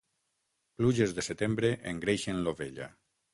Pluges de setembre engreixen l'ovella.